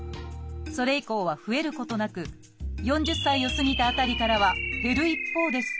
それ以降は増えることなく４０歳を過ぎた辺りからは減る一方です。